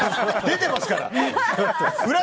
出てますから。